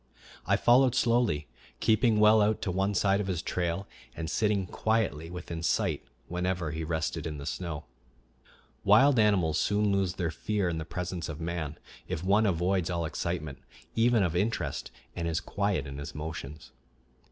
I followed slowly, keeping well out to one side of his trail, and sitting quietly within sight whenever he rested in the snow. Wild animals soon lose their fear in the presence of man if one avoids all excitement, even of interest, and is quiet in his motions.